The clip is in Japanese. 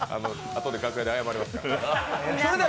あとで楽屋で謝りますから。